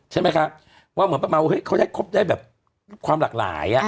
ใช่ไหมคะว่าเหมือนประมาณว่าเฮ้ยเขาได้ครบได้แบบความหลากหลาย